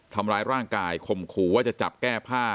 ทำร้ายร่างกายข่มขู่ว่าจะจับแก้ผ้า